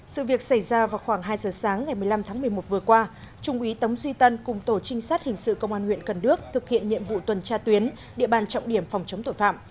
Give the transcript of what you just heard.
sự việc xảy ra vào khoảng hai giờ sáng ngày một mươi năm tháng một mươi một vừa qua trung úy tống duy tân cùng tổ trinh sát hình sự công an huyện cần đước thực hiện nhiệm vụ tuần tra tuyến địa bàn trọng điểm phòng chống tội phạm